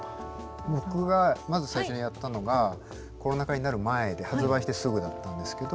僕がまず最初にやったのがコロナ禍になる前で発売してすぐだったんですけど。